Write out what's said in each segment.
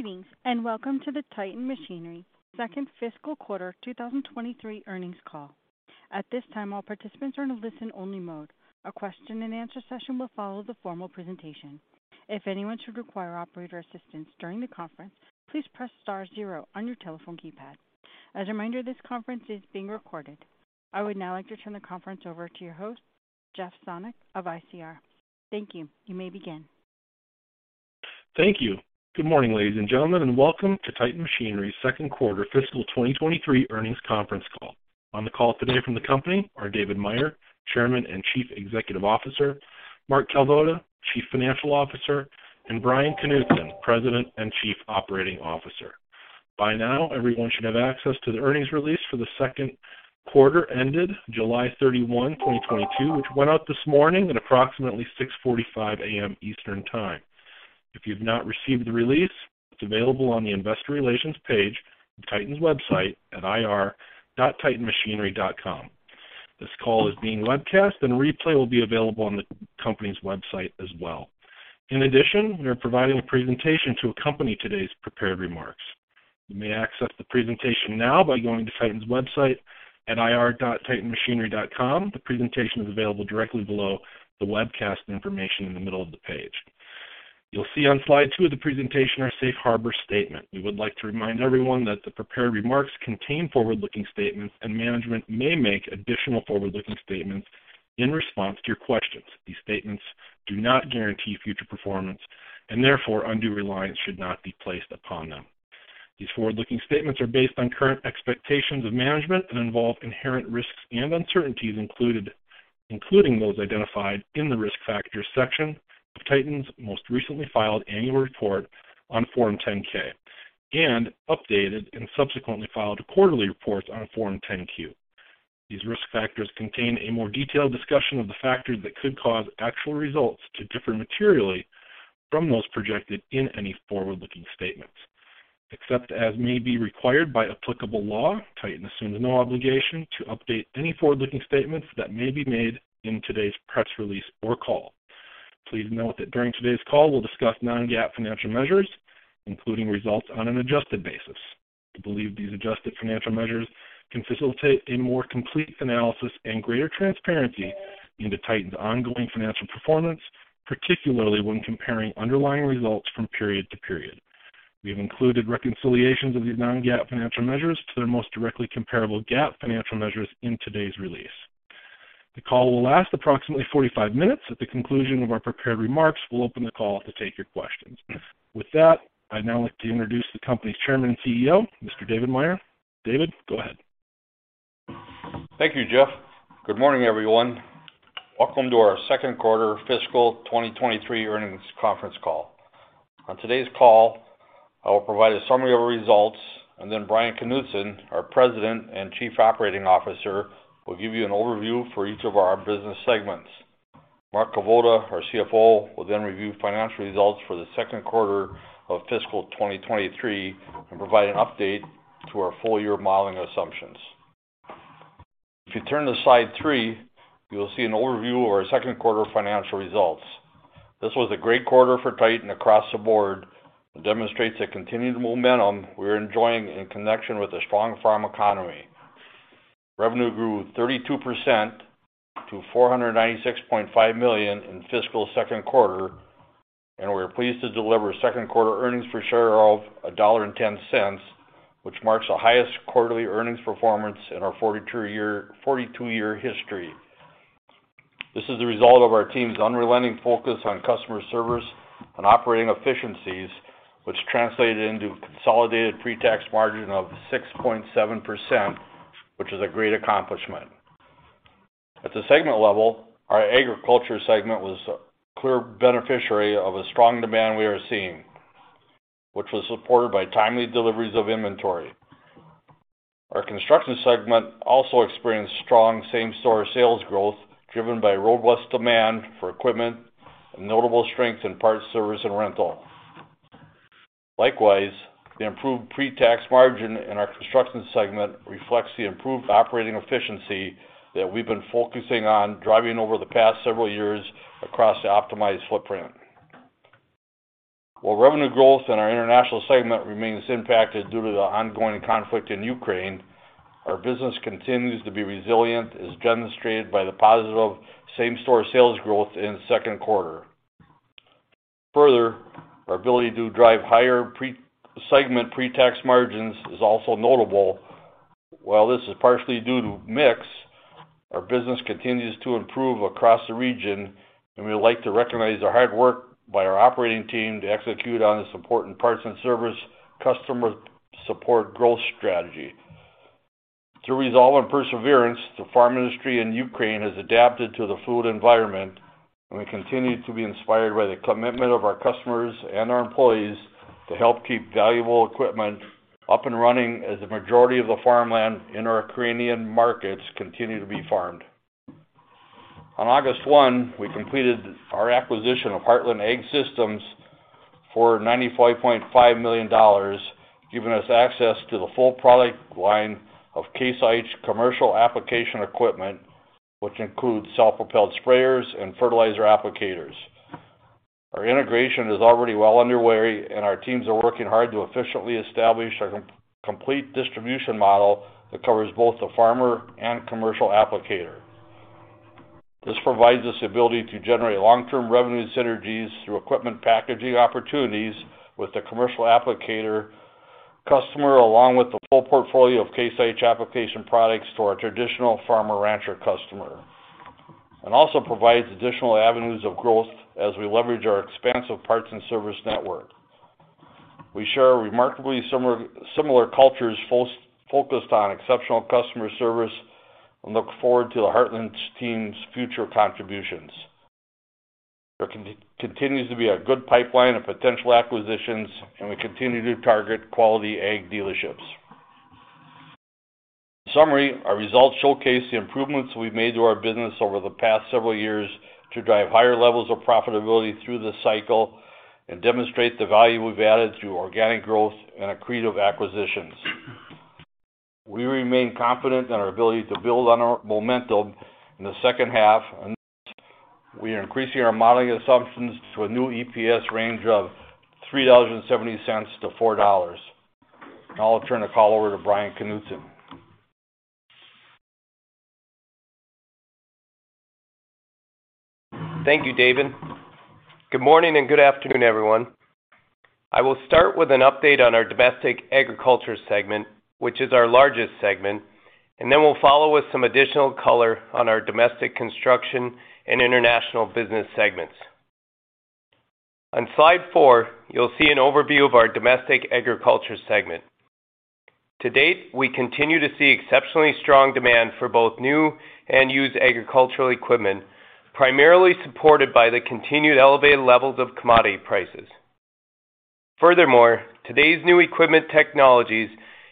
Greetings, and welcome to the Titan Machinery Second Fiscal Quarter 2023 Earnings Call. At this time, all participants are in a listen only mode. A question and answer session will follow the formal presentation. If anyone should require operator assistance during the conference, please press star zero on your telephone keypad. As a reminder, this conference is being recorded. I would now like to turn the conference over to your host, Jeff Sonnek of ICR. Thank you. You may begin. Thank you. Good morning, ladies and gentlemen, and welcome to Titan Machinery's Q2 fiscal 2023 earnings conference call. On the call today from the company are David Meyer, Chairman and Chief Executive Officer, Mark Kalvoda, Chief Financial Officer, and Brian Knutson, President and Chief Operating Officer. By now, everyone should have access to the earnings release for the Q2 ended July 31, 2022, which went out this morning at approximately 6:45 A.M. Eastern Time. If you've not received the release, it's available on the investor relations page of Titan's website at ir.titanmachinery.com. This call is being webcast and a replay will be available on the company's website as well. In addition, we are providing a presentation to accompany today's prepared remarks. You may access the presentation now by going to Titan's website at ir.titanmachinery.com. The presentation is available directly below the webcast information in the middle of the page. You'll see on slide 2 of the presentation our safe harbor statement. We would like to remind everyone that the prepared remarks contain forward-looking statements, and management may make additional forward-looking statements in response to your questions. These statements do not guarantee future performance and therefore undue reliance should not be placed upon them. These forward-looking statements are based on current expectations of management and involve inherent risks and uncertainties, including those identified in the Risk Factors section of Titan's most recently filed annual report on Form 10-K and updated in subsequently filed quarterly reports on Form 10-Q. These risk factors contain a more detailed discussion of the factors that could cause actual results to differ materially from those projected in any forward-looking statements. Except as may be required by applicable law, Titan assumes no obligation to update any forward-looking statements that may be made in today's press release or call. Please note that during today's call, we'll discuss non-GAAP financial measures, including results on an adjusted basis. We believe these adjusted financial measures can facilitate a more complete analysis and greater transparency into Titan's ongoing financial performance, particularly when comparing underlying results from period to period. We have included reconciliations of these non-GAAP financial measures to their most directly comparable GAAP financial measures in today's release. The call will last approximately 45 minutes. At the conclusion of our prepared remarks, we'll open the call to take your questions. With that, I'd now like to introduce the company's Chairman and CEO, Mr. David Meyer. David, go ahead. Thank you, Jeff. Good morning, everyone. Welcome to our Q2 fiscal 2023 earnings conference call. On today's call, I will provide a summary of our results, and then Brian Knutson, our President and Chief Operating Officer, will give you an overview for each of our business segments. Mark Kalvoda, our CFO, will then review financial results for the Q2 of fiscal 2023 and provide an update to our full year modeling assumptions. If you turn to slide 3, you will see an overview of our Q2 financial results. This was a great quarter for Titan across the board and demonstrates the continued momentum we are enjoying in connection with the strong farm economy. Revenue grew 32% to $496.5 million in fiscal Q2, and we are pleased to deliver Q2 earnings per share of $1.10, which marks the highest quarterly earnings performance in our 42-year history. This is the result of our team's unrelenting focus on customer service and operating efficiencies, which translated into a consolidated pre-tax margin of 6.7%, which is a great accomplishment. At the segment level, our agriculture segment was a clear beneficiary of the strong demand we are seeing, which was supported by timely deliveries of inventory. Our construction segment also experienced strong same-store sales growth driven by robust demand for equipment and notable strength in parts, service and rental. Likewise, the improved pre-tax margin in our construction segment reflects the improved operating efficiency that we've been focusing on driving over the past several years across the optimized footprint. While revenue growth in our international segment remains impacted due to the ongoing conflict in Ukraine, our business continues to be resilient, as demonstrated by the positive same-store sales growth in the Q2. Further, our ability to drive higher segment pre-tax margins is also notable. While this is partially due to mix, our business continues to improve across the region, and we would like to recognize the hard work by our operating team to execute on the support in parts and service customer support growth strategy. Through resolve and perseverance, the farm industry in Ukraine has adapted to the fluid environment, and we continue to be inspired by the commitment of our customers and our employees to help keep valuable equipment up and running as the majority of the farmland in our Ukrainian markets continue to be farmed. On August 1, we completed our acquisition of Heartland Ag Systems for $95.5 million, giving us access to the full product line of Case IH commercial application equipment, which include self-propelled sprayers and fertilizer applicators. Our integration is already well underway and our teams are working hard to efficiently establish our complete distribution model that covers both the farmer and commercial applicator. This provides us the ability to generate long-term revenue synergies through equipment packaging opportunities with the commercial applicator customer, along with the full portfolio of Case IH application products to our traditional farmer rancher customer. Also provides additional avenues of growth as we leverage our expansive parts and service network. We share remarkably similar cultures focused on exceptional customer service and look forward to the Heartland's team's future contributions. There continues to be a good pipeline of potential acquisitions, and we continue to target quality ag dealerships. In summary, our results showcase the improvements we've made to our business over the past several years to drive higher levels of profitability through the cycle and demonstrate the value we've added through organic growth and accretive acquisitions. We remain confident in our ability to build on our momentum in the H2. We are increasing our modeling assumptions to a new EPS range of $3.70-$4.00. Now I'll turn the call over to Brian Knutson. Thank you, David. Good morning and good afternoon, everyone. I will start with an update on our Domestic Agriculture segment, which is our largest segment, and then we'll follow with some additional color on our Domestic Construction and International Business segments. On slide 4, you'll see an overview of our Domestic Agriculture segment. To date, we continue to see exceptionally strong demand for both new and used agricultural equipment, primarily supported by the continued elevated levels of commodity prices. Furthermore, today's new equipment technologies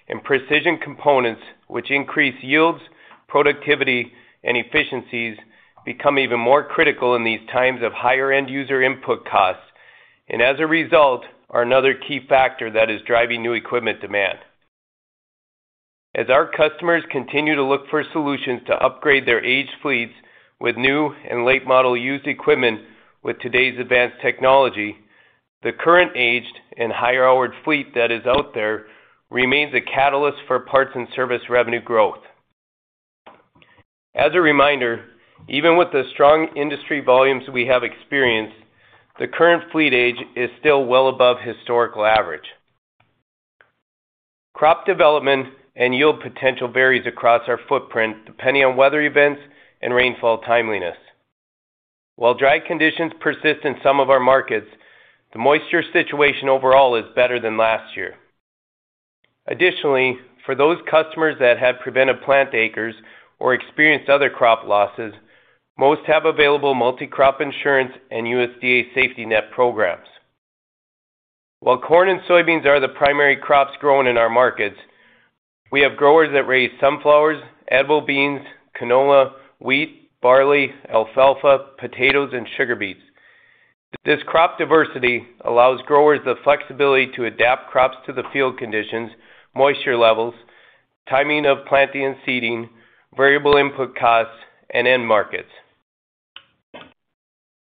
and precision components, which increase yields, productivity, and efficiencies become even more critical in these times of higher end user input costs, and as a result, are another key factor that is driving new equipment demand. As our customers continue to look for solutions to upgrade their aged fleets with new and late model used equipment with today's advanced technology, the current aged and higher-houred fleet that is out there remains a catalyst for parts and service revenue growth. As a reminder, even with the strong industry volumes we have experienced, the current fleet age is still well above historical average. Crop development and yield potential varies across our footprint depending on weather events and rainfall timeliness. While dry conditions persist in some of our markets, the moisture situation overall is better than last year. Additionally, for those customers that have prevented plant acres or experienced other crop losses, most have available multi-crop insurance and USDA safety net programs. While corn and soybeans are the primary crops grown in our markets, we have growers that raise sunflowers, edible beans, canola, wheat, barley, alfalfa, potatoes, and sugar beets. This crop diversity allows growers the flexibility to adapt crops to the field conditions, moisture levels, timing of planting and seeding, variable input costs, and end markets.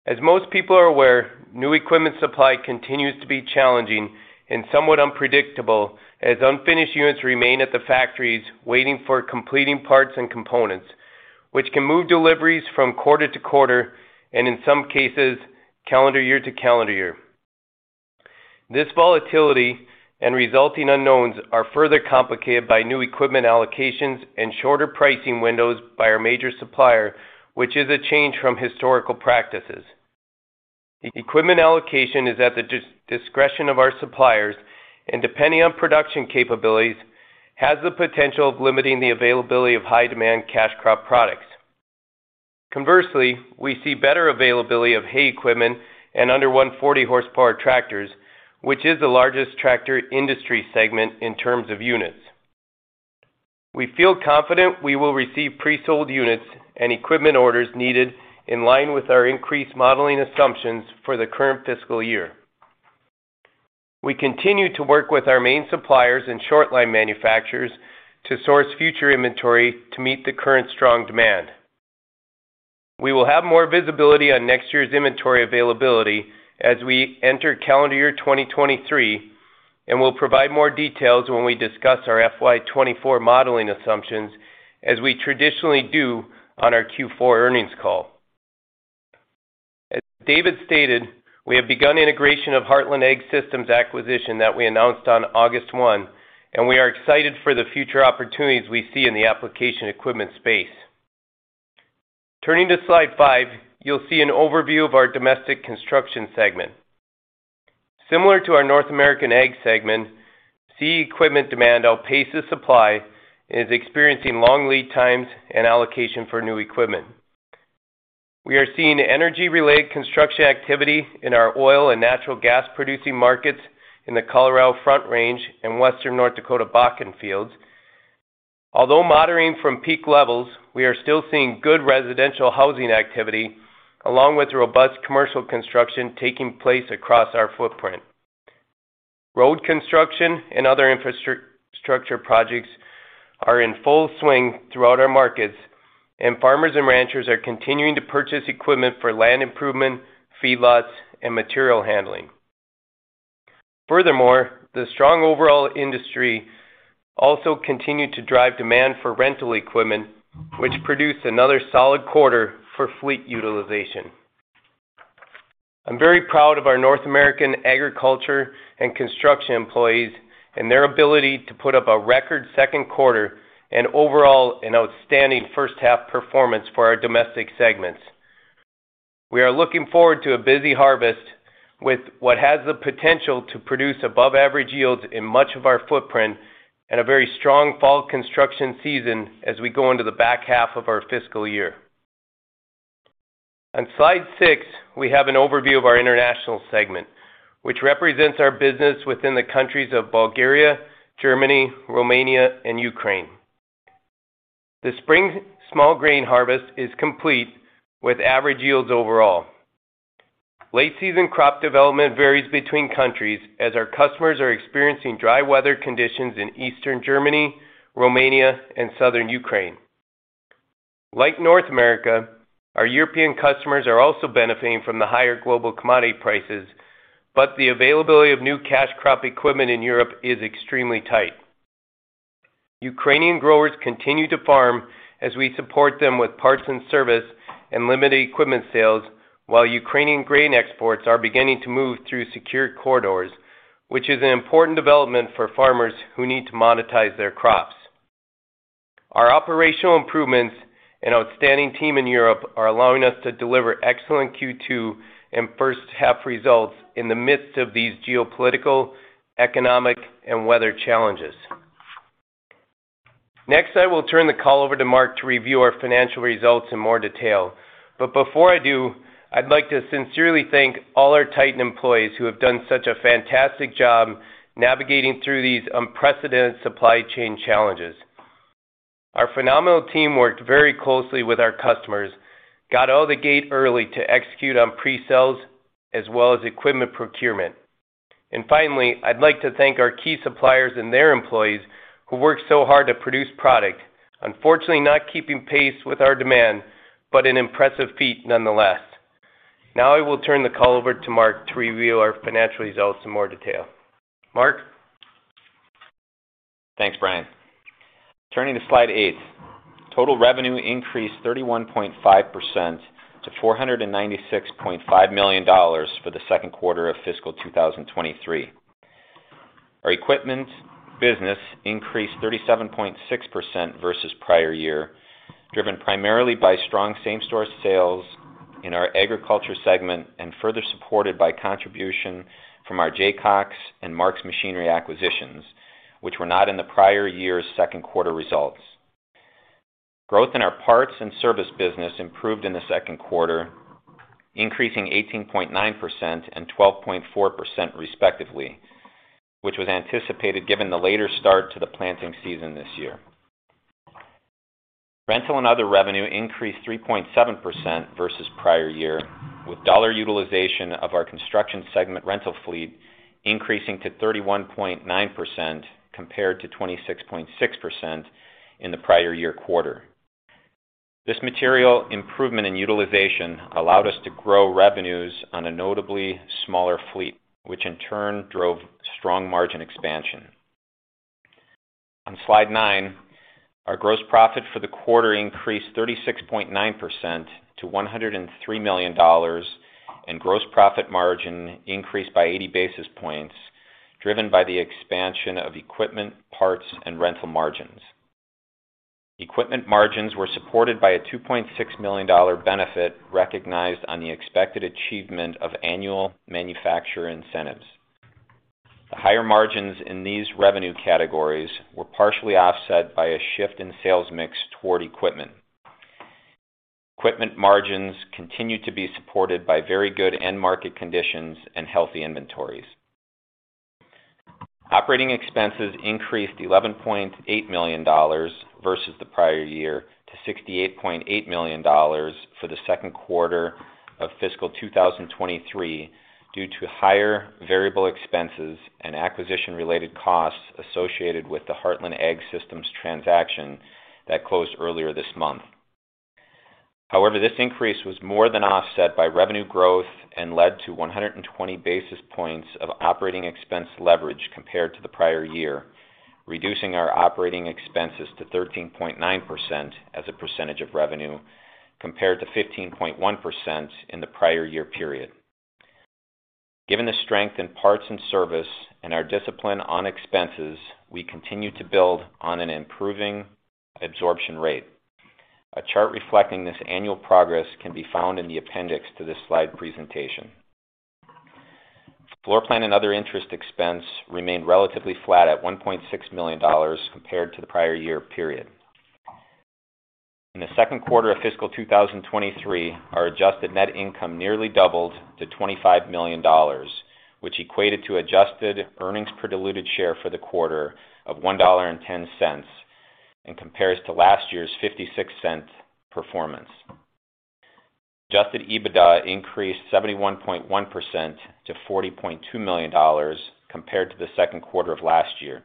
As most people are aware, new equipment supply continues to be challenging and somewhat unpredictable as unfinished units remain at the factories waiting for completing parts and components, which can move deliveries from quarter to quarter and in some cases, calendar year to calendar year. This volatility and resulting unknowns are further complicated by new equipment allocations and shorter pricing windows by our major supplier, which is a change from historical practices. Equipment allocation is at the discretion of our suppliers, and depending on production capabilities, has the potential of limiting the availability of high-demand cash crop products. Conversely, we see better availability of hay equipment and under 140 horsepower tractors, which is the largest tractor industry segment in terms of units. We feel confident we will receive pre-sold units and equipment orders needed in line with our increased modeling assumptions for the current fiscal year. We continue to work with our main suppliers and short line manufacturers to source future inventory to meet the current strong demand. We will have more visibility on next year's inventory availability as we enter calendar year 2023, and we'll provide more details when we discuss our FY 2024 modeling assumptions as we traditionally do on our Q4 earnings call. As David stated, we have begun integration of Heartland Ag Systems acquisition that we announced on August 1, and we are excited for the future opportunities we see in the application equipment space. Turning to slide 5, you'll see an overview of our Domestic Construction segment. Similar to our North American Ag segment, CE equipment demand outpaces supply and is experiencing long lead times and allocation for new equipment. We are seeing energy-related construction activity in our oil and natural gas-producing markets in the Colorado Front Range and western North Dakota Bakken fields. Although moderating from peak levels, we are still seeing good residential housing activity along with robust commercial construction taking place across our footprint. Road construction and other infrastructure projects are in full swing throughout our markets, and farmers and ranchers are continuing to purchase equipment for land improvement, feedlots, and material handling. Furthermore, the strong overall industry also continued to drive demand for rental equipment, which produced another solid quarter for fleet utilization. I'm very proud of our North American agriculture and construction employees and their ability to put up a record Q2 and overall an outstanding first-half performance for our domestic segments. We are looking forward to a busy harvest with what has the potential to produce above-average yields in much of our footprint and a very strong fall construction season as we go into the back half of our fiscal year. On Slide six, we have an overview of our international segment, which represents our business within the countries of Bulgaria, Germany, Romania, and Ukraine. The spring small grain harvest is complete with average yields overall. Late season crop development varies between countries as our customers are experiencing dry weather conditions in Eastern Germany, Romania, and Southern Ukraine. Like North America, our European customers are also benefiting from the higher global commodity prices, but the availability of new cash crop equipment in Europe is extremely tight. Ukrainian growers continue to farm as we support them with parts and service and limited equipment sales, while Ukrainian grain exports are beginning to move through secure corridors, which is an important development for farmers who need to monetize their crops. Our operational improvements and outstanding team in Europe are allowing us to deliver excellent Q2 and first-half results in the midst of these geopolitical, economic, and weather challenges. Next, I will turn the call over to Mark to review our financial results in more detail. Before I do, I'd like to sincerely thank all our Titan employees who have done such a fantastic job navigating through these unprecedented supply chain challenges. Our phenomenal team worked very closely with our customers, got out of the gate early to execute on pre-sales as well as equipment procurement. Finally, I'd like to thank our key suppliers and their employees who worked so hard to produce product. Unfortunately, not keeping pace with our demand, but an impressive feat nonetheless. Now I will turn the call over to Mark to review our financial results in more detail. Mark? Thanks, Brian. Turning to Slide 8. Total revenue increased 31.5% to $496.5 million for the Q2 of fiscal 2023. Our equipment business increased 37.6% versus prior year, driven primarily by strong same-store sales in our agriculture segment and further supported by contribution from our Jaycox and Mark's Machinery acquisitions, which were not in the prior year's Q2 results. Growth in our parts and service business improved in the Q2, increasing 18.9% and 12.4% respectively, which was anticipated given the later start to the planting season this year. Rental and other revenue increased 3.7% versus prior year, with dollar utilization of our construction segment rental fleet increasing to 31.9% compared to 26.6% in the prior year quarter. This material improvement in utilization allowed us to grow revenues on a notably smaller fleet, which in turn drove strong margin expansion. On Slide 9, our gross profit for the quarter increased 36.9% to $103 million, and gross profit margin increased by 80 basis points, driven by the expansion of equipment, parts, and rental margins. Equipment margins were supported by a $2.6 million benefit recognized on the expected achievement of annual manufacturer incentives. The higher margins in these revenue categories were partially offset by a shift in sales mix toward equipment. Equipment margins continued to be supported by very good end market conditions and healthy inventories. Operating expenses increased $11.8 million versus the prior year to $68.8 million for the Q2 of fiscal 2023 due to higher variable expenses and acquisition-related costs associated with the Heartland Ag Systems transaction that closed earlier this month. However, this increase was more than offset by revenue growth and led to 120 basis points of operating expense leverage compared to the prior year, reducing our operating expenses to 13.9% as a percentage of revenue compared to 15.1% in the prior year period. Given the strength in parts and service and our discipline on expenses, we continue to build on an improving absorption rate. A chart reflecting this annual progress can be found in the appendix to this slide presentation. Floor plan and other interest expense remained relatively flat at $1.6 million compared to the prior year period. In the Q2 of fiscal 2023, our adjusted net income nearly doubled to $25 million, which equated to adjusted earnings per diluted share for the quarter of $1.10 and compares to last year's $0.56 performance. Adjusted EBITDA increased 71.1% to $40.2 million compared to the Q2 of last year.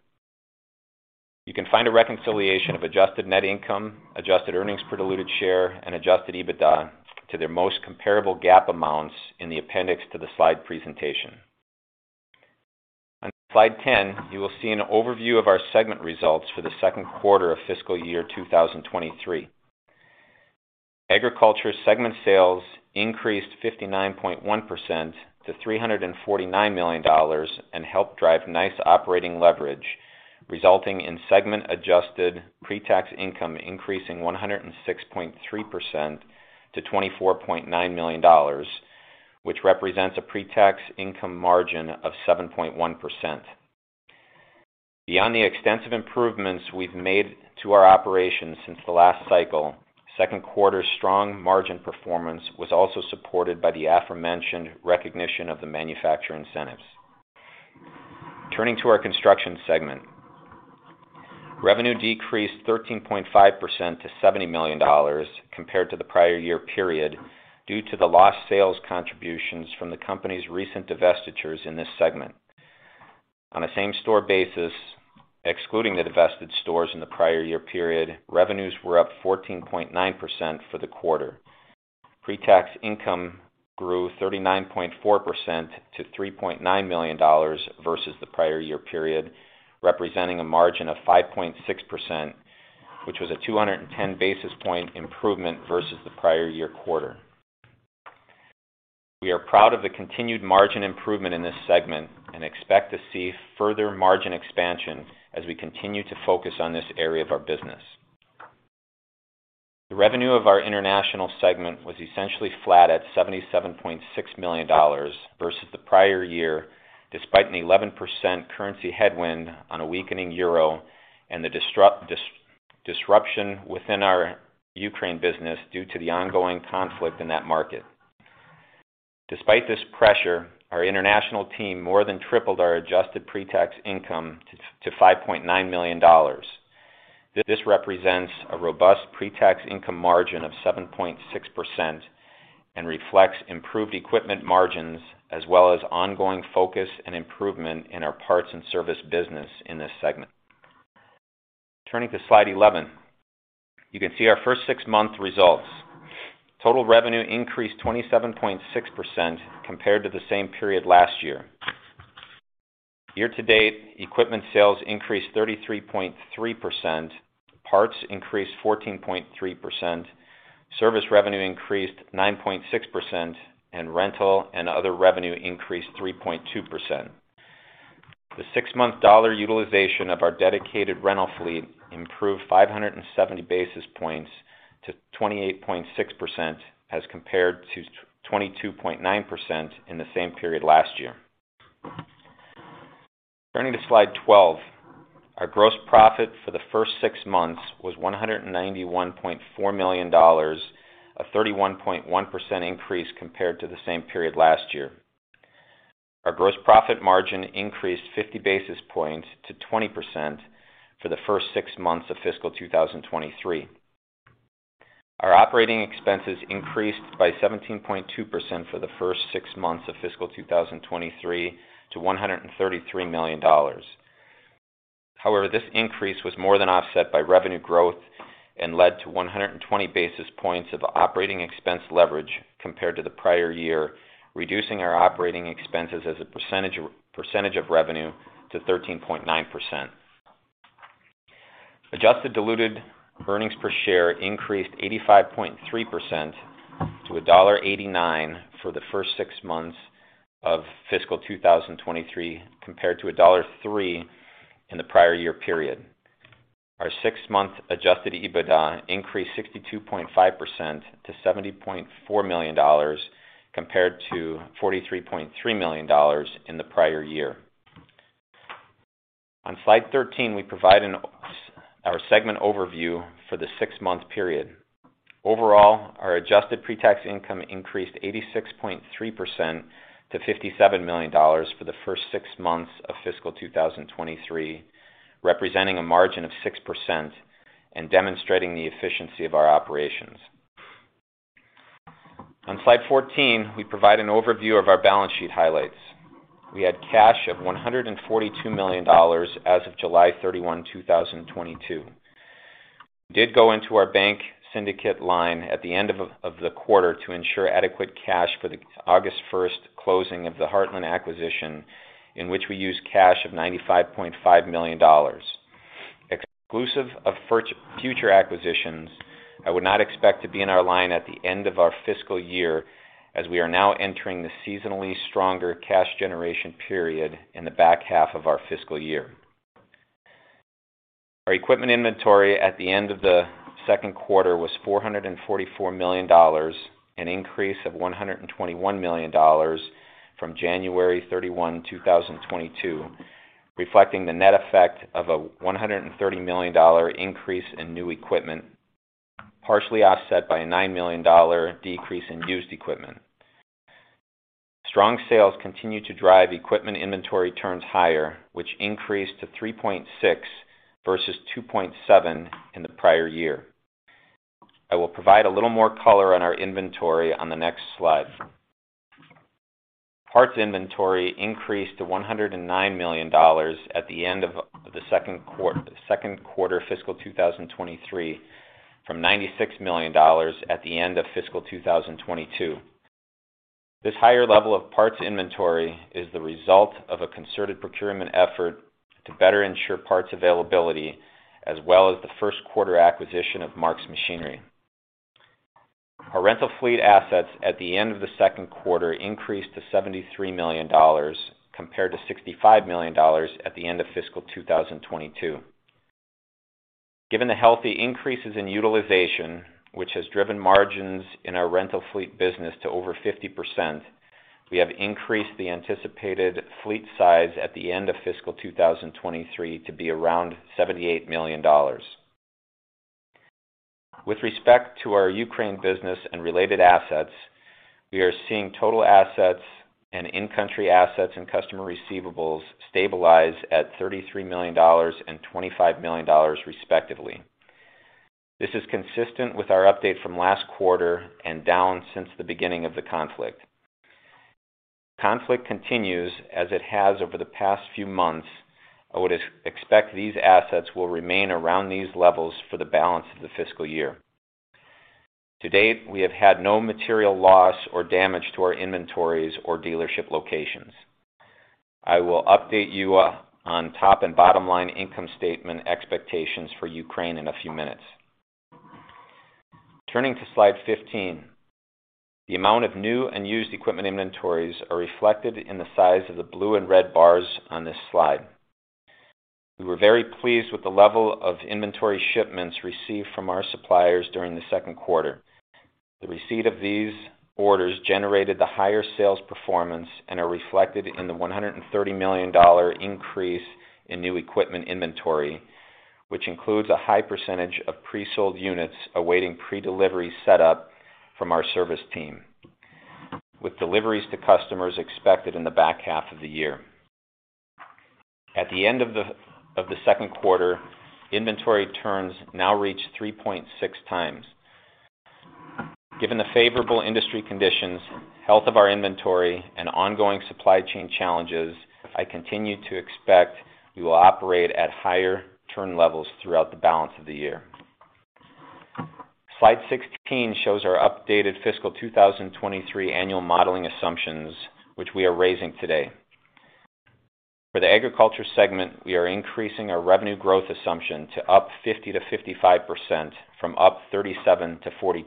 You can find a reconciliation of adjusted net income, adjusted earnings per diluted share and adjusted EBITDA to their most comparable GAAP amounts in the appendix to the slide presentation. On slide 10, you will see an overview of our segment results for the Q2 of fiscal year 2023. Agriculture segment sales increased 59.1% to $349 million and helped drive nice operating leverage, resulting in segment adjusted pre-tax income increasing 106.3% to $24.9 million, which represents a pre-tax income margin of 7.1%. Beyond the extensive improvements we've made to our operations since the last cycle, Q2 strong margin performance was also supported by the aforementioned recognition of the manufacturer incentives. Turning to our construction segment. Revenue decreased 13.5% to $70 million compared to the prior year period due to the lost sales contributions from the company's recent divestitures in this segment. On a same-store basis, excluding the divested stores in the prior year period, revenues were up 14.9% for the quarter. Pre-tax income grew 39.4% to $3.9 million versus the prior year period, representing a margin of 5.6%, which was a 210 basis point improvement versus the prior year quarter. We are proud of the continued margin improvement in this segment and expect to see further margin expansion as we continue to focus on this area of our business. The revenue of our international segment was essentially flat at $77.6 million versus the prior year, despite an 11% currency headwind on a weakening euro and the disruption within our Ukraine business due to the ongoing conflict in that market. Despite this pressure, our international team more than tripled our adjusted pre-tax income to $5.9 million. This represents a robust pre-tax income margin of 7.6% and reflects improved equipment margins as well as ongoing focus and improvement in our parts and service business in this segment. Turning to slide 11. You can see our first six-month results. Total revenue increased 27.6% compared to the same period last year. Year-to-date, equipment sales increased 33.3%, parts increased 14.3%, service revenue increased 9.6%, and rental and other revenue increased 3.2%. The six-month dollar utilization of our dedicated rental fleet improved 570 basis points to 28.6% as compared to twenty-two point nine percent in the same period last year. Turning to slide 12. Our gross profit for the first six months was $191.4 million, a 31.1% increase compared to the same period last year. Our gross profit margin increased 50 basis points to 20% for the first six months of fiscal 2023. Our operating expenses increased by 17.2% for the first six months of fiscal 2023 to $133 million. However, this increase was more than offset by revenue growth and led to 120 basis points of operating expense leverage compared to the prior year, reducing our operating expenses as a percentage of revenue to 13.9%. Adjusted diluted earnings per share increased 85.3% to $1.89 for the first six months of fiscal 2023, compared to $0.03 in the prior year period. Our six-month adjusted EBITDA increased 62.5% to $70.4 million compared to $43.3 million in the prior year. On slide 13, we provide our segment overview for the six-month period. Overall, our adjusted pre-tax income increased 86.3% to $57 million for the first six months of fiscal 2023, representing a margin of 6% and demonstrating the efficiency of our operations. On slide 14, we provide an overview of our balance sheet highlights. We had cash of $142 million as of July 31, 2022. We did go into our bank syndicate line at the end of the quarter to ensure adequate cash for the August first closing of the Heartland acquisition, in which we used cash of $95.5 million. Exclusive of future acquisitions, I would not expect to be in our line at the end of our fiscal year as we are now entering the seasonally stronger cash generation period in the back half of our fiscal year. Our equipment inventory at the end of the Q2 was $444 million, an increase of $121 million from January 31, 2022, reflecting the net effect of a $130 million increase in new equipment, partially offset by a $9 million decrease in used equipment. Strong sales continue to drive equipment inventory turns higher, which increased to 3.6 versus 2.7 in the prior year. I will provide a little more color on our inventory on the next slide. Parts inventory increased to $109 million at the end of the Q2 fiscal 2023 from $96 million at the end of fiscal 2022. This higher level of parts inventory is the result of a concerted procurement effort to better ensure parts availability, as well as the Q1 acquisition of Mark's Machinery. Our rental fleet assets at the end of the Q2 increased to $73 million compared to $65 million at the end of fiscal 2022. Given the healthy increases in utilization, which has driven margins in our rental fleet business to over 50%, we have increased the anticipated fleet size at the end of fiscal 2023 to be around $78 million. With respect to our Ukraine business and related assets, we are seeing total assets and in-country assets and customer receivables stabilize at $33 million and $25 million, respectively. This is consistent with our update from last quarter and down since the beginning of the conflict. Conflict continues as it has over the past few months. I would expect these assets will remain around these levels for the balance of the fiscal year. To date, we have had no material loss or damage to our inventories or dealership locations. I will update you on top and bottom line income statement expectations for Ukraine in a few minutes. Turning to slide 15. The amount of new and used equipment inventories are reflected in the size of the blue and red bars on this slide. We were very pleased with the level of inventory shipments received from our suppliers during the Q2. The receipt of these orders generated the higher sales performance and are reflected in the $130 million increase in new equipment inventory, which includes a high percentage of pre-sold units awaiting pre-delivery setup from our service team, with deliveries to customers expected in the back half of the year. At the end of the Q2, inventory turns now reach 3.6 times. Given the favorable industry conditions, health of our inventory, and ongoing supply chain challenges, I continue to expect we will operate at higher turn levels throughout the balance of the year. Slide 16 shows our updated fiscal 2023 annual modeling assumptions, which we are raising today. For the agriculture segment, we are increasing our revenue growth assumption to up 50%-55% from up 37%-42%,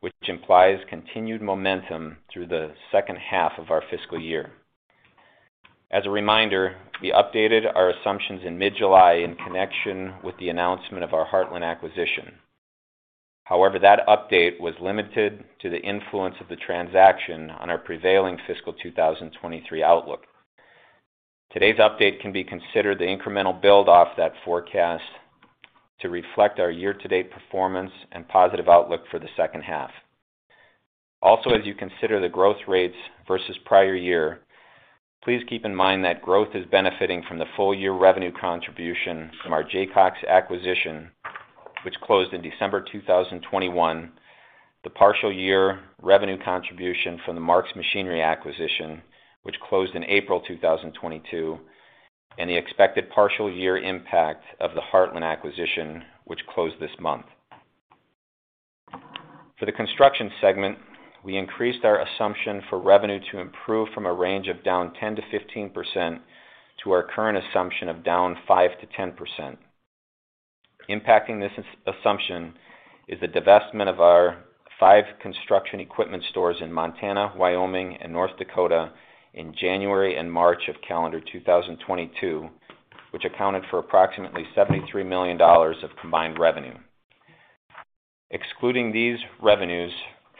which implies continued momentum through the H2 of our fiscal year. As a reminder, we updated our assumptions in mid-July in connection with the announcement of our Heartland acquisition. However, that update was limited to the influence of the transaction on our prevailing fiscal 2023 outlook. Today's update can be considered the incremental build-off that forecast to reflect our year-to-date performance and positive outlook for the H2. Also, as you consider the growth rates versus prior year, please keep in mind that growth is benefiting from the full-year revenue contribution from our Jaycox acquisition, which closed in December 2021, the partial year revenue contribution from the Mark's Machinery acquisition, which closed in April 2022, and the expected partial year impact of the Heartland acquisition, which closed this month. For the construction segment, we increased our assumption for revenue to improve from a range of down 10%-15% to our current assumption of down 5%-10%. Impacting this assumption is the divestment of our 5 construction equipment stores in Montana, Wyoming, and North Dakota in January and March of calendar 2022, which accounted for approximately $73 million of combined revenue. Excluding these revenues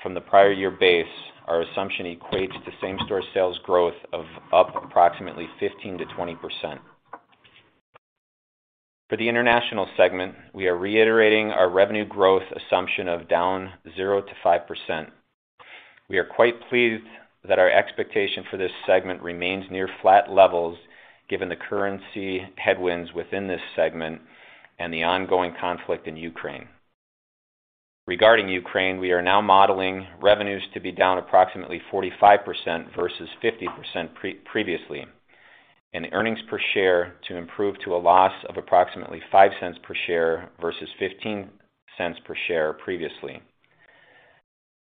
from the prior year base, our assumption equates to same-store sales growth of up approximately 15%-20%. For the international segment, we are reiterating our revenue growth assumption of down 0%-5%. We are quite pleased that our expectation for this segment remains near flat levels given the currency headwinds within this segment and the ongoing conflict in Ukraine. Regarding Ukraine, we are now modeling revenues to be down approximately 45% versus 50% previously, and earnings per share to improve to a loss of approximately $0.05 per share versus $0.15 per share previously.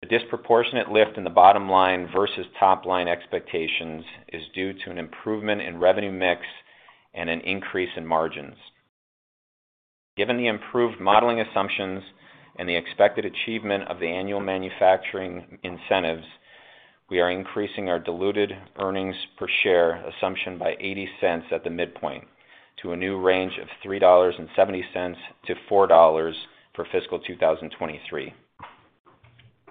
The disproportionate lift in the bottom line versus top-line expectations is due to an improvement in revenue mix and an increase in margins. Given the improved modeling assumptions and the expected achievement of the annual manufacturing incentives, we are increasing our diluted earnings per share assumption by $0.80 at the midpoint to a new range of $3.70-$4.00 for fiscal 2023.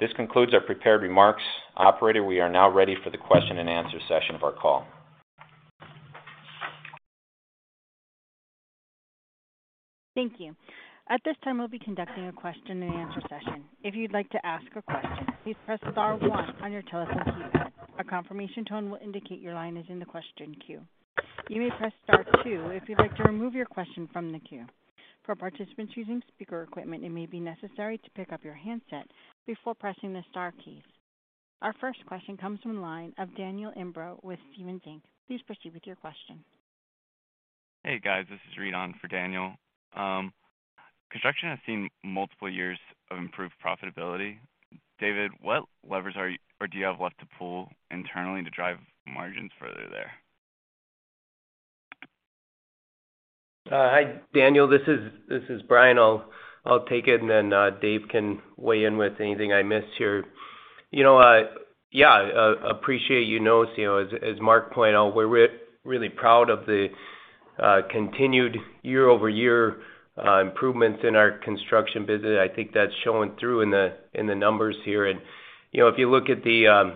This concludes our prepared remarks. Operator, we are now ready for the question and answer session of our call. Thank you. At this time, we'll be conducting a question and answer session. If you'd like to ask a question, please press star one on your telephone keypad. A confirmation tone will indicate your line is in the question queue. You may press star two if you'd like to remove your question from the queue. For participants using speaker equipment, it may be necessary to pick up your handset before pressing the star keys. Our first question comes from the line of Daniel Imbro with Stephens Inc. Please proceed with your question. Hey, guys. This is Reed on for Daniel. Construction has seen multiple years of improved profitability. David, what levers do you have left to pull internally to drive margins further there? Hi, Daniel. This is Brian. I'll take it, and then, David can weigh in with anything I miss here. You know, appreciate, you know, as Mark pointed out, we're really proud of the continued year-over-year improvements in our construction business. I think that's showing through in the numbers here. You know, if you look at the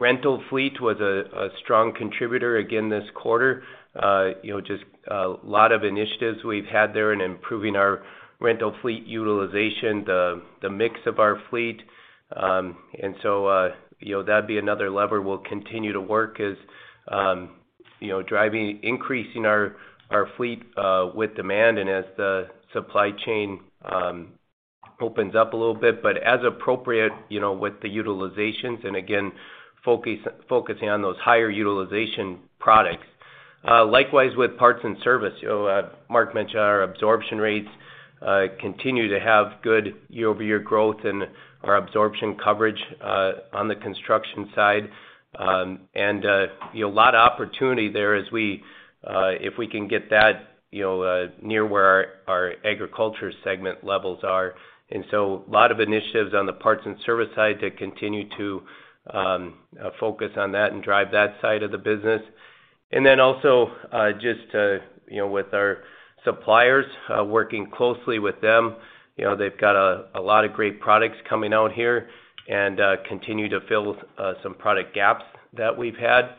rental fleet was a strong contributor again this quarter, you know, just a lot of initiatives we've had there in improving our rental fleet utilization, the mix of our fleet. You know, that'd be another lever we'll continue to work is driving increasing our fleet with demand and as the supply chain opens up a little bit. As appropriate, you know, with the utilizations and again, focusing on those higher utilization products. Likewise with parts and service. You know, Mark mentioned our absorption rates continue to have good year-over-year growth and our absorption coverage on the construction side. You know, a lot of opportunity there if we can get that, you know, near where our agriculture segment levels are. A lot of initiatives on the parts and service side to continue to focus on that and drive that side of the business. Just, you know, with our suppliers, working closely with them, you know, they've got a lot of great products coming out here and continue to fill some product gaps that we've had.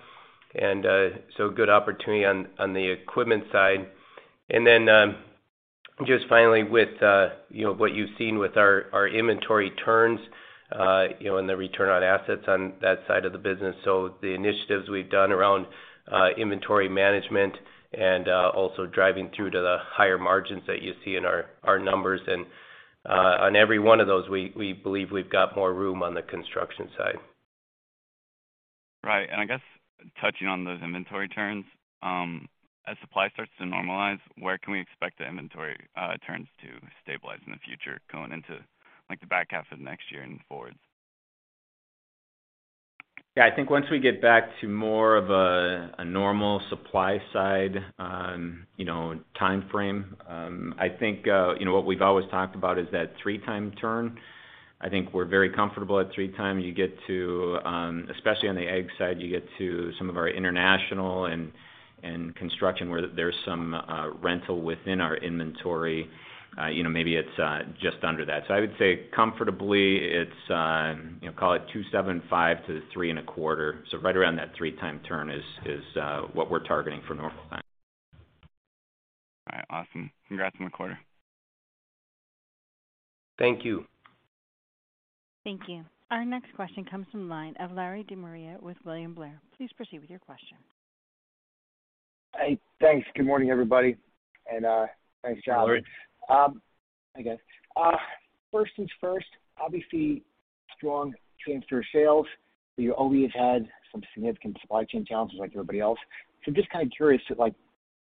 Good opportunity on the equipment side. Just finally with you know, what you've seen with our inventory turns, you know, and the return on assets on that side of the business. The initiatives we've done around inventory management and also driving through to the higher margins that you see in our numbers. On every one of those, we believe we've got more room on the construction side. Right. I guess touching on those inventory turns, as supply starts to normalize, where can we expect the inventory turns to stabilize in the future going into, like, the back half of next year and forwards? Yeah, I think once we get back to more of a normal supply side, you know, timeframe, I think, you know, what we've always talked about is that 3x turn. I think we're very comfortable at 3x. You get to especially on the ag side, you get to some of our international and construction where there's some rental within our inventory. You know, maybe it's just under that. I would say comfortably it's, you know, call it 2.75x-3.25x. Right around that 3x turn is what we're targeting for normal time. All right. Awesome. Congrats on the quarter. Thank you. Thank you. Our next question comes from the line of Larry De Maria with William Blair. Please proceed with your question. Hey, thanks. Good morning, everybody, and thanks, John. Larry. Hi, guys. First things first, obviously, strong same store sales. You always had some significant supply chain challenges like everybody else. I'm just kind of curious to, like,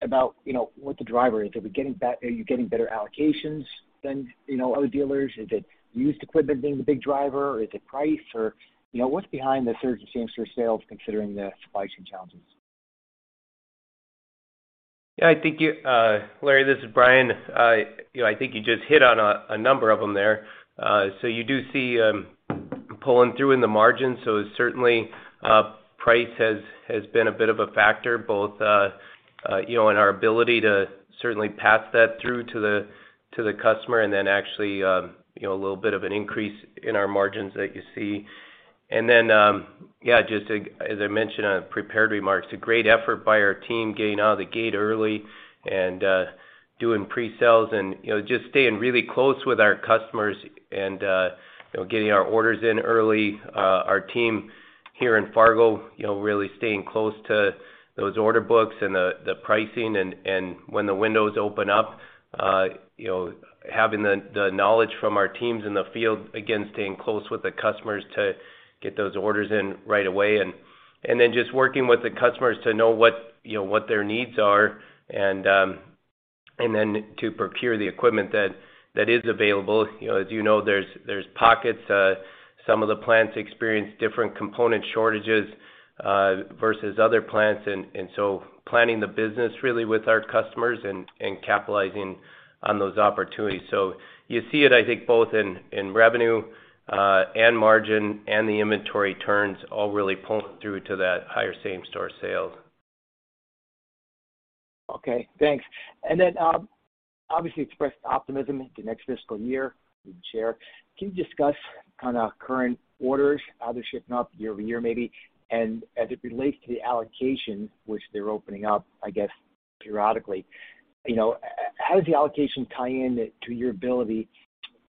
about, you know, what the driver is. Are you getting better allocations than, you know, other dealers? Is it used equipment being the big driver or is it price or, you know, what's behind the surge of same store sales considering the supply chain challenges? Yeah, I think Larry, this is Brian. You know, I think you just hit on a number of them there. You do see pulling through in the margin. Certainly, price has been a bit of a factor, both, you know, in our ability to certainly pass that through to the customer and then actually, you know, a little bit of an increase in our margins that you see. Then, yeah, just as I mentioned on prepared remarks, a great effort by our team getting out of the gate early and doing pre-sales and, you know, just staying really close with our customers and, you know, getting our orders in early. Our team here in Fargo, you know, really staying close to those order books and the pricing and when the windows open up, you know, having the knowledge from our teams in the field, again, staying close with the customers to get those orders in right away. Then just working with the customers to know what, you know, what their needs are and then to procure the equipment that is available. You know, as you know, there's pockets. Some of the plants experience different component shortages versus other plants. Planning the business really with our customers and capitalizing on those opportunities. You see it, I think both in revenue and margin and the inventory turns all really pulling through to that higher same store sales. Okay, thanks. Obviously expressed optimism into next fiscal year with the Chair. Can you discuss kind of current orders, how they're shaping up year-over-year maybe? As it relates to the allocation which they're opening up, I guess periodically, you know, how does the allocation tie in to your ability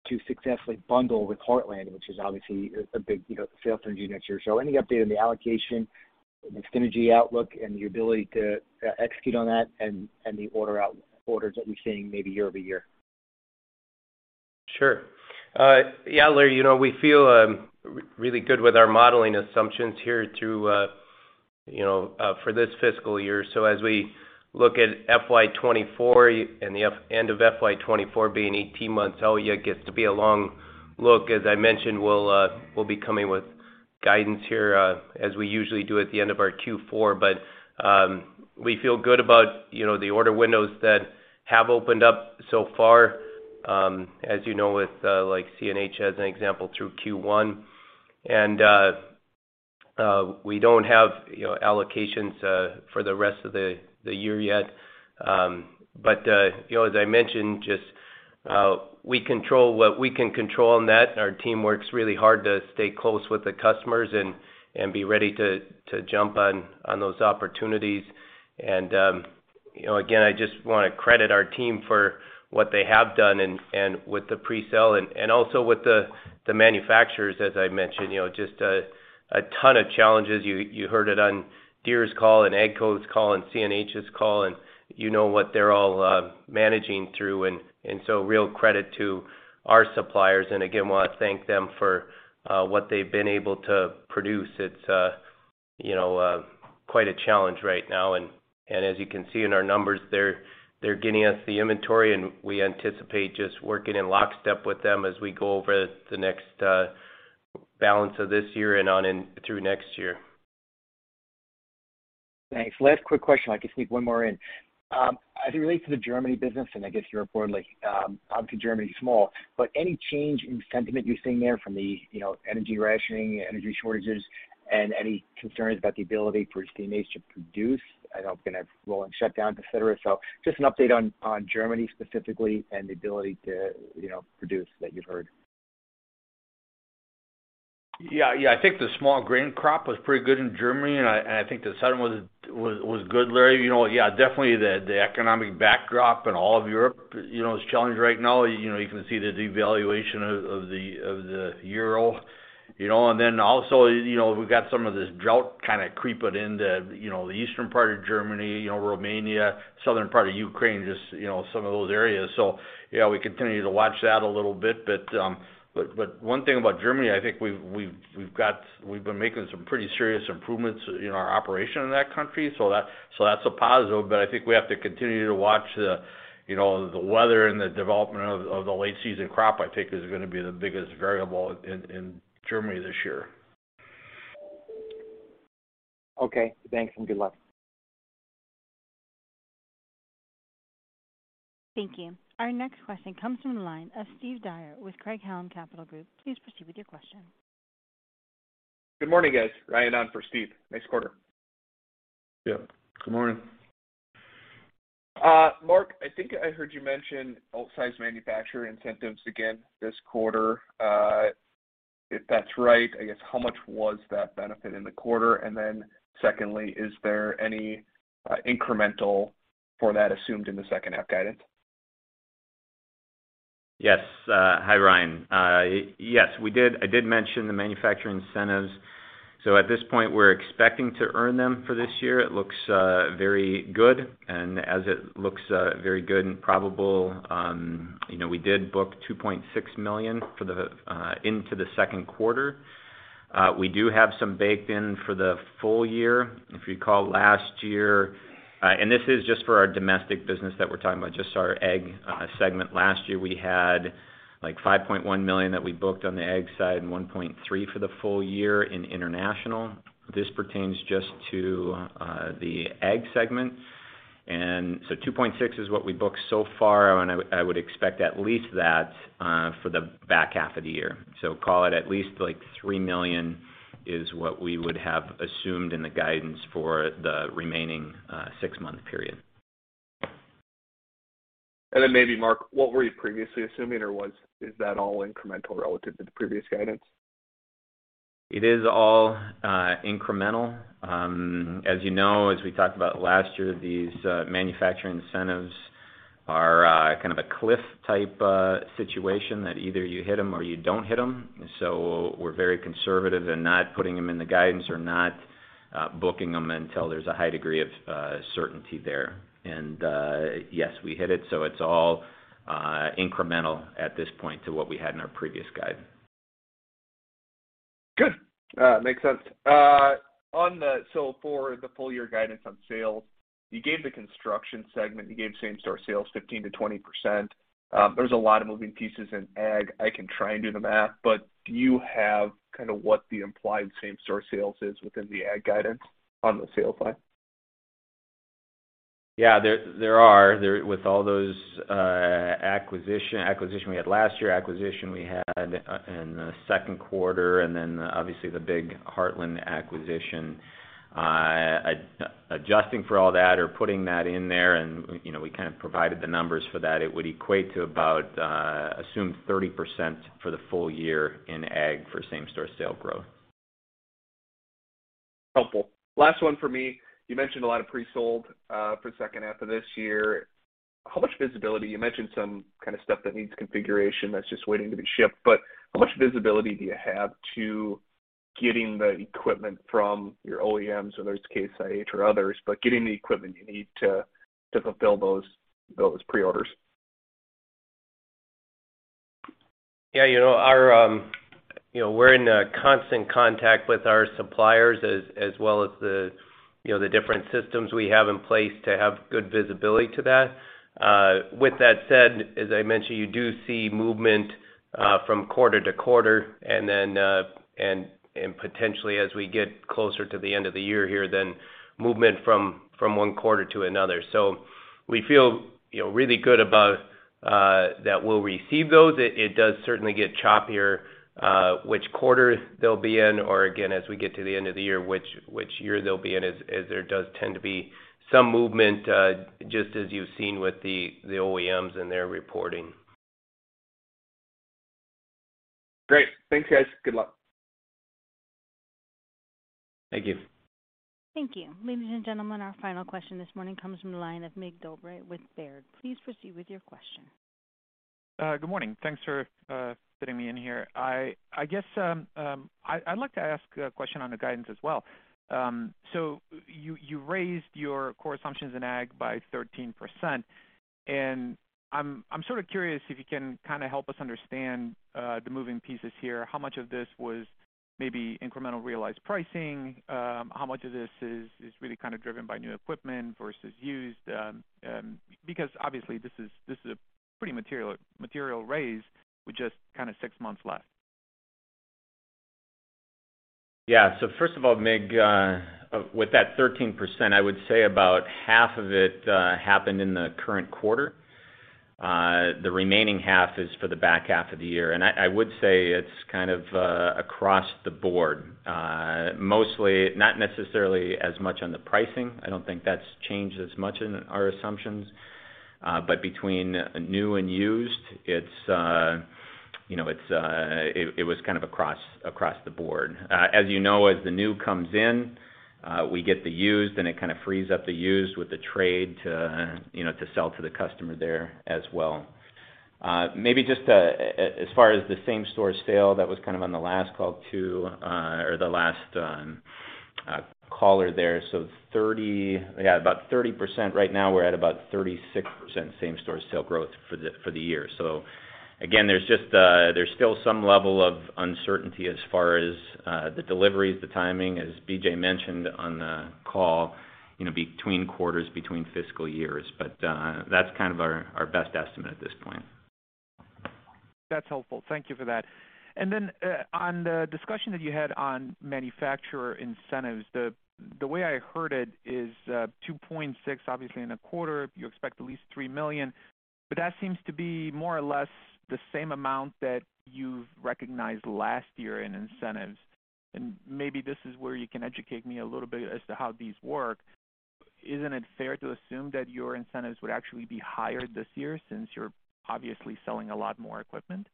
to successfully bundle with Heartland, which is obviously a big, you know, sales engine next year. Any update on the allocation, the synergy outlook, and your ability to execute on that and the orders that we're seeing maybe year-over-year? Sure. Yeah, Larry, you know, we feel really good with our modeling assumptions here through, you know, for this fiscal year. As we look at FY 2024 and the end of FY 2024 being 18 months out, yeah, it gets to be a long look. As I mentioned, we'll be coming with guidance here, as we usually do at the end of our Q4. We feel good about, you know, the order windows that have opened up so far, as you know, with, like CNH as an example through Q1. We don't have, you know, allocations, for the rest of the year yet. You know, as I mentioned, just, we control what we can control on that. Our team works really hard to stay close with the customers and be ready to jump on those opportunities. You know, again, I just wanna credit our team for what they have done and with the presale and also with the manufacturers, as I mentioned. You know, just a ton of challenges. You heard it on Deere's call and AGCO's call and CNH's call, and you know what they're all managing through, and so real credit to our suppliers. Again, wanna thank them for what they've been able to produce. It's you know quite a challenge right now. As you can see in our numbers, they're getting us the inventory, and we anticipate just working in lockstep with them as we go over the next balance of this year and on in through next year. Thanks. Last quick question, I can sneak one more in. As it relates to the Germany business, and I guess your report, like, obviously Germany is small, but any change in sentiment you're seeing there from the, you know, energy rationing, energy shortages, and any concerns about the ability for Steyr to produce? I know it's gonna roll and shut down, et cetera. Just an update on Germany specifically and the ability to, you know, produce that you've heard. Yeah. Yeah. I think the small grain crop was pretty good in Germany, and I think the season was good, Larry. You know, yeah, definitely the economic backdrop in all of Europe, you know, is challenged right now. You know, you can see the devaluation of the euro, you know. Also, you know, we've got some of this drought kinda creeping in the eastern part of Germany, you know, Romania, southern part of Ukraine, just some of those areas. Yeah, we continue to watch that a little bit. One thing about Germany, I think we've been making some pretty serious improvements in our operation in that country. That's a positive. I think we have to continue to watch the, you know, the weather and the development of the late season crop. I think is gonna be the biggest variable in Germany this year. Okay. Thanks, and good luck. Thank you. Our next question comes from the line of Steve Dyer with Craig-Hallum Capital Group. Please proceed with your question. Good morning, guys. Ryan on for Steve. Nice quarter. Yeah. Good morning. Mark, I think I heard you mention off-site manufacturer incentives again this quarter. If that's right, I guess how much was that benefit in the quarter? Secondly, is there any incremental for that assumed in the H2 guidance? Yes. Hi, Ryan. Yes, I did mention the manufacturer incentives. At this point, we're expecting to earn them for this year. It looks very good. As it looks very good and probable, you know, we did book $2.6 million into the Q2. We do have some baked in for the full year. If you recall last year, and this is just for our domestic business that we're talking about, just our ag segment. Last year, we had, like, $5.1 million that we booked on the ag side and $1.3 million for the full year in international. This pertains just to the ag segment. 2.6 is what we booked so far, and I would expect at least that for the back half of the year. Call it at least, like, $3 million is what we would have assumed in the guidance for the remaining six-month period. Maybe Mark, what were you previously assuming, or is that all incremental relative to the previous guidance? It is all incremental. As you know, as we talked about last year, these manufacturer incentives are kind of a cliff type situation that either you hit them or you don't hit them. We're very conservative in not putting them in the guidance or not booking them until there's a high degree of certainty there. Yes, we hit it, so it's all incremental at this point to what we had in our previous guide. Good. Makes sense. So for the full year guidance on sales, you gave the construction segment, you gave same-store sales 15%-20%. There's a lot of moving pieces in ag. I can try and do the math, but do you have kind of what the implied same-store sales is within the ag guidance on the sales side? Yeah, there are. With all those acquisitions we had last year in the Q2, and then obviously the big Heartland acquisition. Adjusting for all that or putting that in there and, you know, we kind of provided the numbers for that, it would equate to about, assume 30% for the full year in ag for same-store sales growth. Helpful. Last one for me. You mentioned a lot of pre-sold for the H2 of this year. How much visibility? You mentioned some kind of stuff that needs configuration that's just waiting to be shipped, but how much visibility do you have to getting the equipment from your OEMs, whether it's Case IH or others, but getting the equipment you need to fulfill those pre-orders? Yeah. You know, we're in constant contact with our suppliers as well as the different systems we have in place to have good visibility to that. With that said, as I mentioned, you do see movement from quarter to quarter and then and potentially as we get closer to the end of the year here, then movement from one quarter to another. We feel you know really good about that we'll receive those. It does certainly get choppier, which quarter they'll be in or again, as we get to the end of the year, which year they'll be in, as there does tend to be some movement just as you've seen with the OEMs and their reporting. Great. Thanks, guys. Good luck. Thank you. Thank you. Ladies and gentlemen, our final question this morning comes from the line of Mircea Dobre with Baird. Please proceed with your question. Good morning. Thanks for fitting me in here. I guess I'd like to ask a question on the guidance as well. You raised your core assumptions in ag by 13%, and I'm sort of curious if you can kind of help us understand the moving pieces here. How much of this was maybe incremental realized pricing? How much of this is really kind of driven by new equipment versus used? Because obviously this is a pretty material raise with just kind of six months left. Yeah. First of all, Mircea, with that 13%, I would say about half of it happened in the current quarter. The remaining half is for the back half of the year. I would say it's kind of across the board. Mostly not necessarily as much on the pricing. I don't think that's changed as much in our assumptions. Between new and used, it's you know it was kind of across the board. As you know, as the new comes in, we get the used, and it kind of frees up the used with the trade to you know to sell to the customer there as well. Maybe just as far as the same store sale, that was kind of on the last call too, or the last caller there. About 30%. Right now, we're at about 36% same store sale growth for the year. Again, there's just some level of uncertainty as far as the deliveries, the timing, as BJ mentioned on the call, you know, between quarters, between fiscal years. That's kind of our best estimate at this point. That's helpful. Thank you for that. On the discussion that you had on manufacturer incentives, the way I heard it is $2.6 million, obviously in a quarter, you expect at least $3 million. That seems to be more or less the same amount that you've recognized last year in incentives. Maybe this is where you can educate me a little bit as to how these work. Isn't it fair to assume that your incentives would actually be higher this year since you're obviously selling a lot more equipment?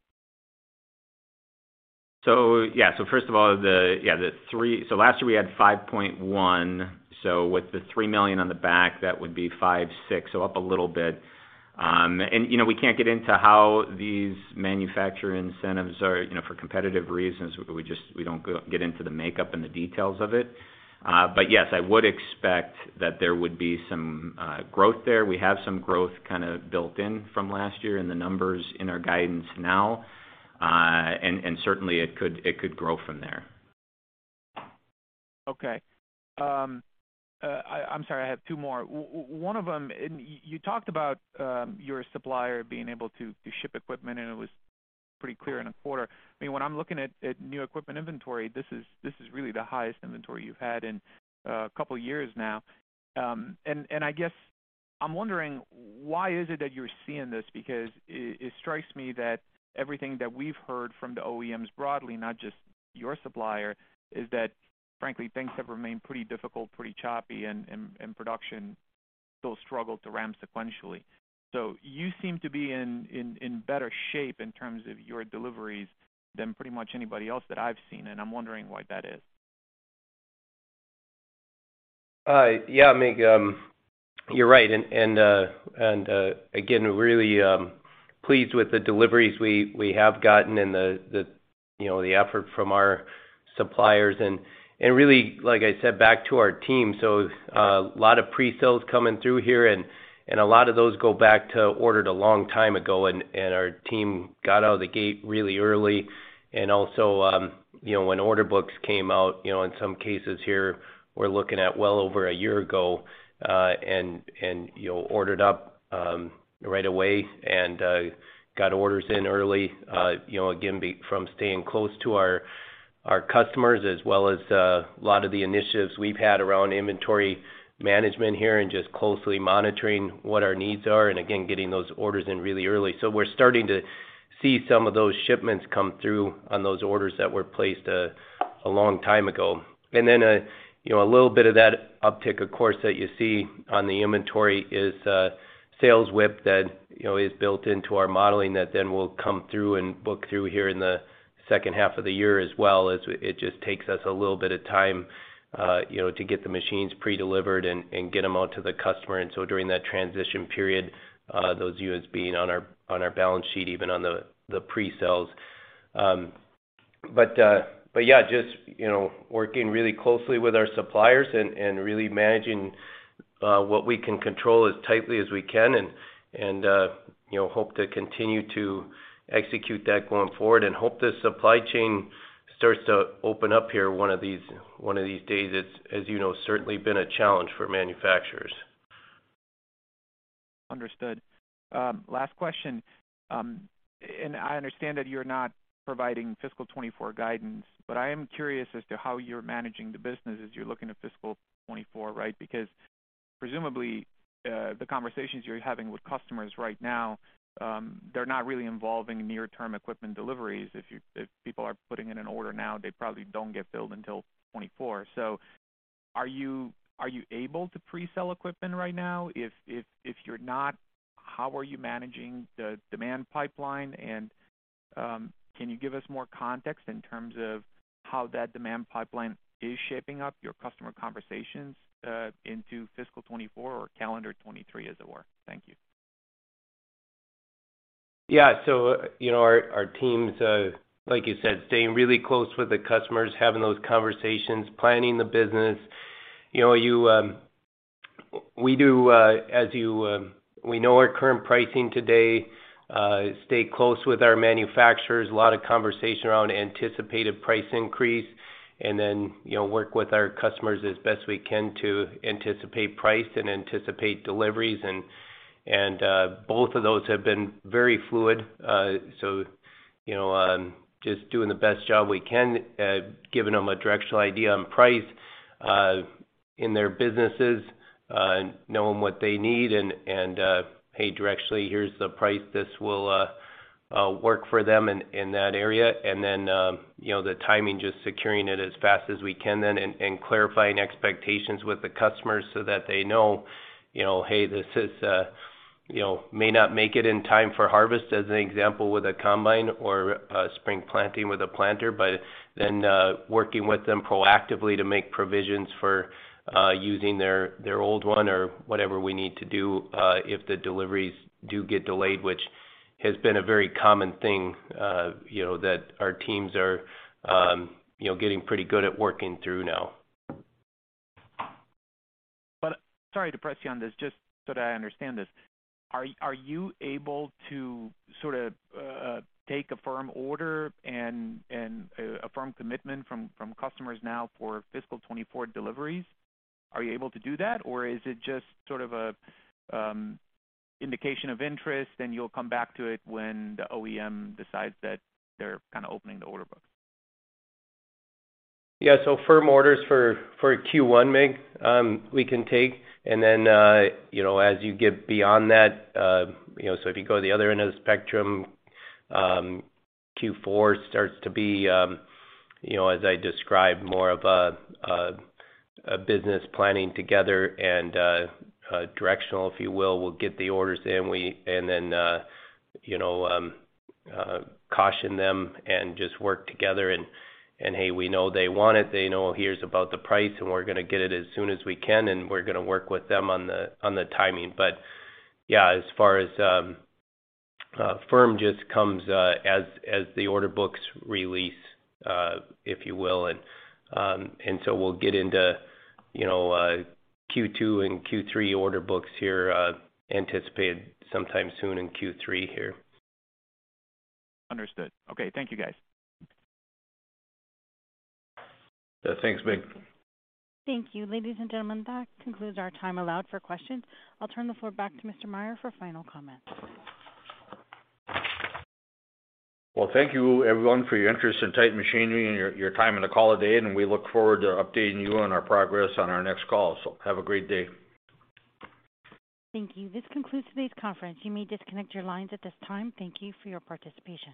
First of all, last year we had $5.1 million. With the $3 million on the back, that would be $5.6 million, up a little bit. You know, we can't get into how these manufacturer incentives are, you know, for competitive reasons. We don't get into the makeup and the details of it. But yes, I would expect that there would be some growth there. We have some growth kind of built in from last year in the numbers in our guidance now. And certainly it could grow from there. Okay. I'm sorry, I have two more. One of them, you talked about your supplier being able to ship equipment, and it was pretty clear in a quarter. I mean, when I'm looking at new equipment inventory, this is really the highest inventory you've had in a couple of years now. I guess I'm wondering why is it that you're seeing this? Because it strikes me that everything that we've heard from the OEMs broadly, not just your supplier, is that frankly, things have remained pretty difficult, pretty choppy, and production still struggled to ramp sequentially. You seem to be in better shape in terms of your deliveries than pretty much anybody else that I've seen, and I'm wondering why that is. Yeah, Mig, you're right. Again, really pleased with the deliveries we have gotten and the you know the effort from our suppliers and really, like I said, back to our team. A lot of pre-sales coming through here and a lot of those go back to ordered a long time ago. Our team got out of the gate really early and also you know when order books came out you know in some cases here we're looking at well over a year ago and you know ordered up right away and got orders in early you know again from staying close to our Our customers as well as a lot of the initiatives we've had around inventory management here and just closely monitoring what our needs are, and again, getting those orders in really early. We're starting to see some of those shipments come through on those orders that were placed a long time ago. A little bit of that uptick of course that you see on the inventory is sales whip that you know is built into our modeling that then will come through and book through here in the H2 of the year as well, as it just takes us a little bit of time you know to get the machines pre-delivered and get them out to the customer. During that transition period, those units being on our balance sheet, even on the pre-sales. Yeah, just you know, working really closely with our suppliers and really managing what we can control as tightly as we can and you know, hope to continue to execute that going forward and hope the supply chain starts to open up here one of these days. It's, as you know, certainly been a challenge for manufacturers. Understood. Last question. I understand that you're not providing fiscal 2024 guidance, but I am curious as to how you're managing the business as you're looking at fiscal 2024, right? Because presumably, the conversations you're having with customers right now, they're not really involving near-term equipment deliveries. If people are putting in an order now, they probably don't get filled until 2024. Are you able to pre-sell equipment right now? If you're not, how are you managing the demand pipeline? Can you give us more context in terms of how that demand pipeline is shaping up your customer conversations into fiscal 2024 or calendar 2023, as it were? Thank you. Yeah. Our teams, like you said, staying really close with the customers, having those conversations, planning the business. You know, we know our current pricing today, stay close with our manufacturers, a lot of conversation around anticipated price increase, and then, you know, work with our customers as best we can to anticipate price and anticipate deliveries. Both of those have been very fluid. You know, just doing the best job we can at giving them a directional idea on price in their businesses, and knowing what they need and hey, directionally, here's the price. This will work for them in that area. you know, the timing, just securing it as fast as we can then and clarifying expectations with the customers so that they know, you know, hey, this is, you know, may not make it in time for harvest as an example with a combine or spring planting with a planter. Working with them proactively to make provisions for using their old one or whatever we need to do if the deliveries do get delayed, which has been a very common thing, you know, that our teams are getting pretty good at working through now. Sorry to press you on this, just so that I understand this. Are you able to sort of take a firm order and a firm commitment from customers now for fiscal 2024 deliveries? Are you able to do that, or is it just sort of a indication of interest, and you'll come back to it when the OEM decides that they're kind of opening the order book? Yeah. Firm orders for Q1, Mircea Dobre, we can take. You know, as you get beyond that, you know, so if you go the other end of the spectrum, Q4 starts to be, you know, as I described, more of a business planning together and directional, if you will. We'll get the orders in. You know, caution them and just work together and hey, we know they want it, they know here's about the price, and we're gonna get it as soon as we can, and we're gonna work with them on the timing. Yeah, as far as firm just comes, as the order books release, if you will. We'll get into, you know, Q2 and Q3 order books here, anticipated sometime soon in Q3 here. Understood. Okay, thank you, guys. Thanks, Mircea Dobre. Thank you. Ladies and gentlemen, that concludes our time allowed for questions. I'll turn the floor back to Mr. Meyer for final comments. Well, thank you everyone for your interest in Titan Machinery and your time on the call today, and we look forward to updating you on our progress on our next call. Have a great day. Thank you. This concludes today's conference. You may disconnect your lines at this time. Thank you for your participation.